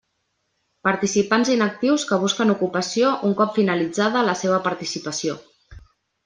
Participants inactius que busquen ocupació un cop finalitzada la seva participació.